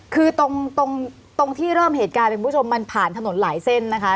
คือตรงตรงที่เริ่มเหตุการณ์เนี่ยคุณผู้ชมมันผ่านถนนหลายเส้นนะคะ